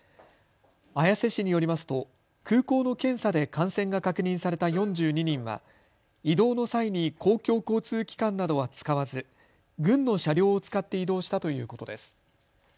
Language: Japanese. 綾瀬市によりますと空港の検査で感染が確認された４２人は移動の際に公共交通機関などは使わず、軍の車両を使って移動したということです。